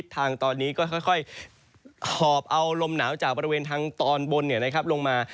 ทางตอนนี้ก็ค่อยหอบเอาลมหนาวจากบริเวณทางตอนบนลงมา